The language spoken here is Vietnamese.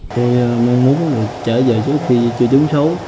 cô mới muốn trở về trước khi chưa trúng số